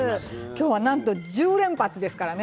今日はなんと１０連発ですからね。